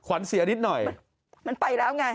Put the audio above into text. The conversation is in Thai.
ขวัญเสียนิดหน่อยมันไปแล้วไง